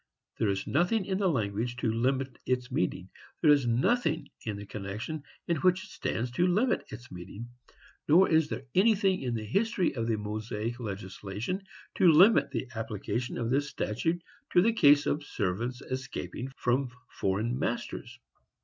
There is nothing in the language to limit its meaning; there is nothing in the connection in which it stands to limit its meaning; nor is there anything in the history of the Mosaic legislation to limit the application of this statute to the case of servants escaping from foreign masters.